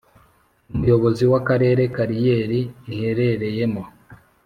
Umuyobozi w Akarere kariyeri iherereyemo